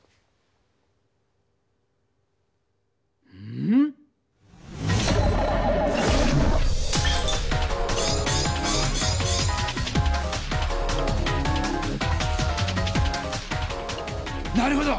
ん⁉なるほど！